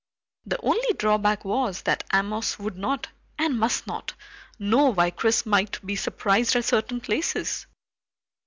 The only drawback was that Amos would not, and must not, know why Chris might be surprised at certain places.